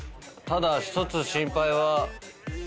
ただ１つ心配は。